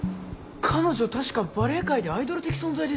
彼女確かバレエ界でアイドル的存在ですよ。